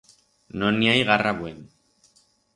No n'i hai garra buen.